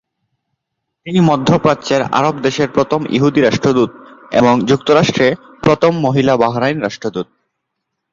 তিনি মধ্যপ্রাচ্যের আরব দেশের প্রথম ইহুদি রাষ্ট্রদূত, এবং যুক্তরাষ্ট্রে প্রথম মহিলা বাহরাইন রাষ্ট্রদূত।